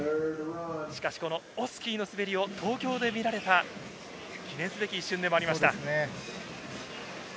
しかし、オスキーの滑りを東京で見られた、記念すべき一瞬でもありました。